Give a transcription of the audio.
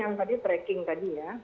yang tadi tracking tadi ya